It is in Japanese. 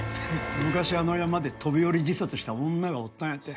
昔あの山で飛び降り自殺した女がおったんやて。